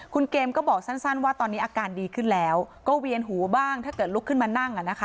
คุณเกมก็บอกสั้นว่าตอนนี้อาการดีขึ้นแล้วก็เวียนหูบ้างถ้าเกิดลุกขึ้นมานั่ง